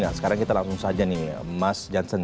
nah sekarang kita langsung saja nih mas jansen